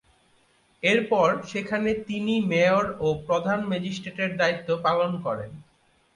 এরপর সেখানে তিনি মেয়র ও প্রধান ম্যাজিস্ট্রেটের দায়িত্ব পালন করেন।